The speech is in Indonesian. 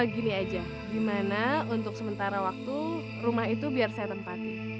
gini aja gimana untuk sementara waktu rumah itu biar saya tempati